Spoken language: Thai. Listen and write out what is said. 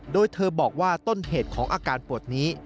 โดยเธอบอกว่าต้นเหตุของอาการปวดนี้